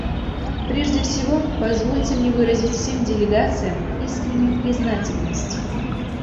Прежде всего позвольте мне выразить всем делегациям искреннюю признательность.